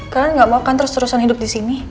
kalian gak mau akan terus terusan hidup di sini